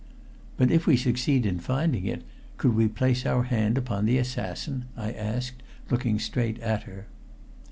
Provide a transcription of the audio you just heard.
"But if we succeed in finding it, could we place our hand upon the assassin?" I asked, looking straight at her.